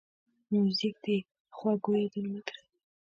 موزیک د خوږو یادونو ملګری دی.